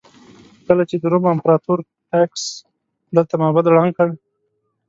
کله چې د روم امپراتور ټایټس دلته معبد ړنګ کړ.